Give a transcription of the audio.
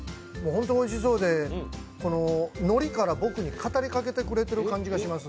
本当においしそうで、のりから僕に語りかけているような気がします